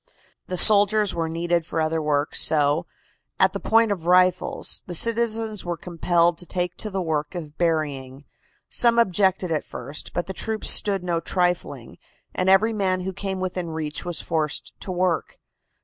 The soldiers were needed for other work, so, at the point of rifles, the citizens were compelled to take to the work of burying. Some objected at first, but the troops stood no trifling, and every man who came within reach was forced to work.